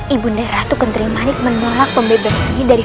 ibu neratu ketrimanik menolak pembebasan ini